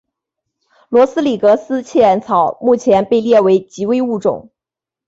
罗德里格斯茜草目前被列为极危物种。